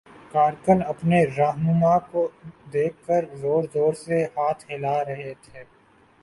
کارکن اپنے راہنما کو دیکھ کر زور زور سے ہاتھ ہلا رہے تھے